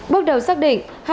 bước đầu xác định